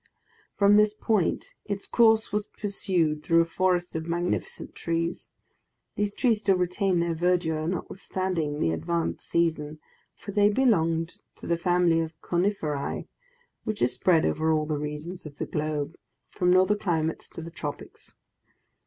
From this point its course was pursued through a forest of magnificent trees. These trees still retained their verdure, notwithstanding the advanced season, for they belonged to the family of "coniferae," which is spread over all the regions of the globe, from northern climates to the tropics.